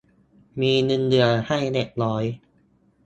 มีเงินเดือนให้เล็กน้อย